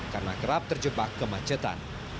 karena kerap terjebak kemacetan